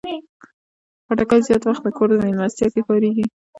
خټکی زیات وخت د کور مېلمستیا کې کارېږي.